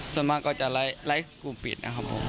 ส่วนมากก็จะไลฟ์กลุ่มปิดนะครับผม